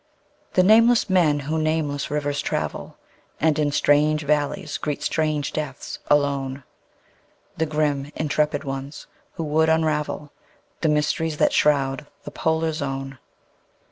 The nameless men who nameless rivers travel, And in strange valleys greet strange deaths alone; The grim, intrepid ones who would unravel The mysteries that shroud the Polar Zone.